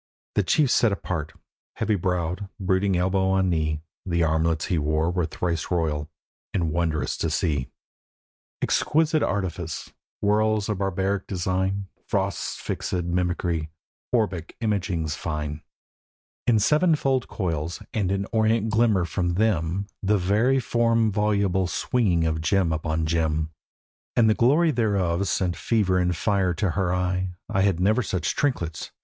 The chief sat apart, heavy browed, brooding elbow on knee; The armlets he wore were thrice royal, and wondrous to see: Exquisite artifice, whorls of barbaric design, Frost's fixèd mimicry; orbic imaginings fine In sevenfold coils: and in orient glimmer from them, The variform voluble swinging of gem upon gem. And the glory thereof sent fever and fire to her eye. 'I had never such trinkets!